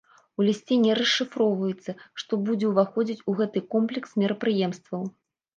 У лісце не расшыфроўваецца, што будзе ўваходзіць у гэты комплекс мерапрыемстваў.